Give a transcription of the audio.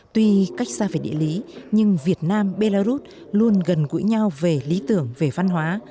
tuy cách xa về địa lý nhưng việt nam belarus luôn gần gũi nhau về lý tưởng về văn hóa